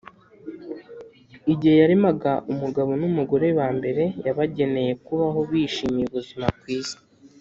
igihe yaremaga umugabo n’umugore ba mbere, yabageneye kubaho bishimiye ubuzima ku isi